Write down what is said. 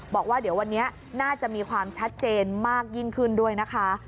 บอกว่าเดี๋ยววันนี้น่าจะมีความชัดเจนมากยิ่งขึ้นด้วยนะคะ